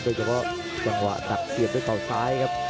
เกรดเกินก็จะฝากฝังหักตักเกียรติด้วยเข้าซ้ายครับ